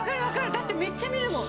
だってめっちゃ見るもん！